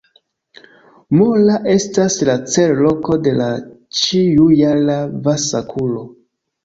Mora estas la cel-loko de la ĉiu-jara Vasa-kuro.